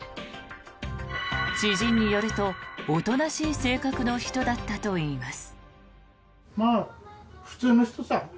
知人によるとおとなしい性格の人だったといいます。